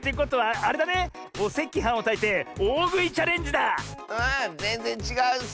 あぜんぜんちがうッス！